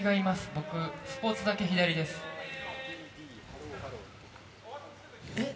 僕スポーツだけ左ですえっ？